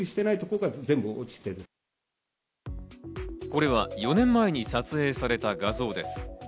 これは４年前に撮影された画像です。